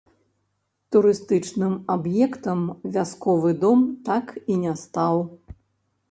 Турыстычным аб'ектам вясковы дом так і не стаў.